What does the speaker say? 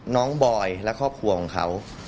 บอยและครอบครัวของเขา